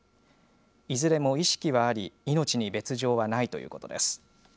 いずれも意識はあり命に別状はないということです。